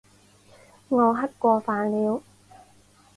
我吃过饭了